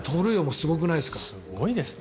すごいですね。